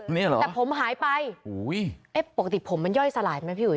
แต่ผมหายไปปกติผมมันย่อยสลายไหมพี่อุย